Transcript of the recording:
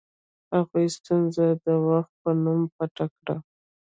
هغوی ستونزه د وخت په نوم پټه کړه.